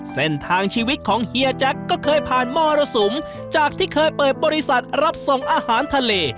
เส้นทางชีวิตของเฮียแจ็คก็เคยผ่านมรสุมจากที่เคยเปิดบริษัทรับส่งอาหารทะเล